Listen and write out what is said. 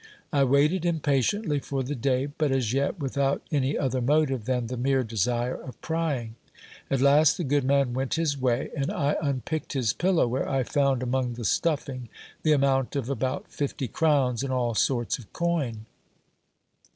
I waited impatiently for the day, but as yet, without any other motive than the mere desire of prying. At last the good man went his way, and I unpicked his pillow, where I found, among the stuffing, the amount of about fifty crowns in all sorts of coin.